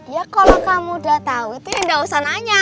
ya kalo kamu udah tau itu ya udah gak usah nanya